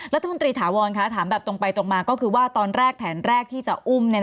แล้วท่านมิติฐาวรถามแบบตรงไปตรงมาก็คือว่าตอนแรกแผนแรกที่จะอุ้ม